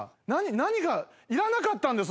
何がいらなかったんだよ